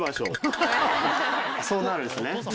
そうなるんですね